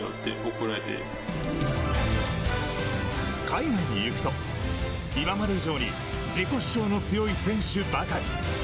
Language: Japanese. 海外に行くと、今まで以上に自己主張の強い選手ばかり。